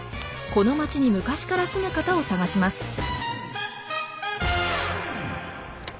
この町に昔から住む方を探します。